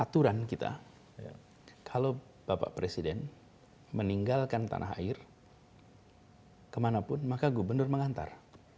aturan kita kalau bapak presiden meninggalkan tanah air kemanapun maka gubernur mengantar